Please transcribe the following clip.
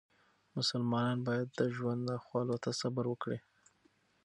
مسلمانان باید د ژوند ناخوالو ته صبر وکړي.